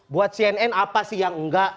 buat cnn apa sih yang enggak